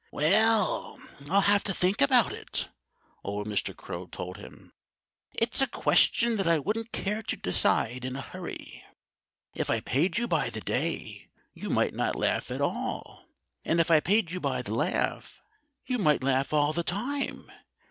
"Well, I'll have to think about it," old Mr. Crow told him. "It's a question that I wouldn't care to decide in a hurry. If I paid you by the day you might not laugh at all. And if I paid you by the laugh you might laugh all the time....